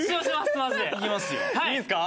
いいですか？